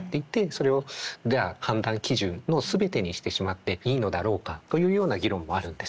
それをじゃあ判断基準の全てにしてしまっていいのだろうか？というような議論もあるんですよね。